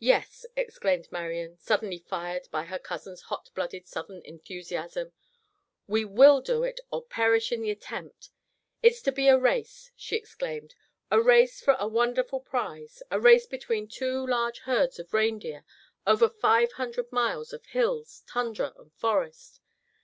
"Yes," exclaimed Marian, suddenly fired by her cousin's hot blooded southern enthusiasm, "we will do it or perish in the attempt. It's to be a race," she exclaimed, "a race for a wonderful prize, a race between two large herds of reindeer over five hundred miles of hills, tundra and forest.